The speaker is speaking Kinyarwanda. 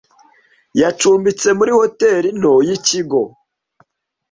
Yacumbitse muri hoteri nto yikigo.